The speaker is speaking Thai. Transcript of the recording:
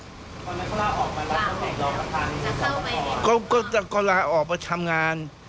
วันนั้นเขาล่าออกมาแล้วจะเข้าไปทำงาน